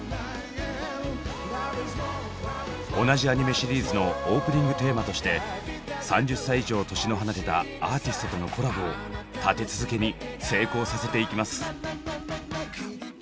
同じアニメシリーズのオープニングテーマとして３０歳以上年の離れたアーティストとのコラボを立て続けに成功させていきます。